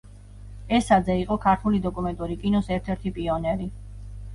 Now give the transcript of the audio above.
ესაძე იყო ქართული დოკუმენტური კინოს ერთ-ერთი პიონერი.